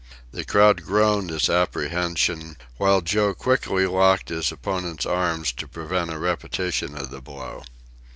The crowd groaned its apprehension, while Joe quickly locked his opponent's arms to prevent a repetition of the blow.